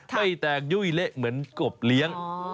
ไม่แตกยุ่ยเละเหมือนกบเลี้ยง